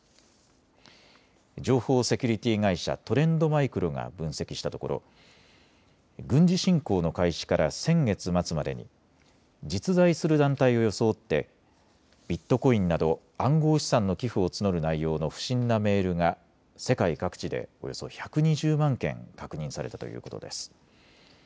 情報セキュリティー会社、トレンドマイクロが分析したところ軍事侵攻の開始から先月末までに実在する団体を装ってビットコインなど暗号資産の寄付を募る内容の不審なメールが世界各地でおよそ１２０万件確認されたということです。